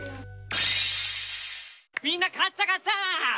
みんな買った買った！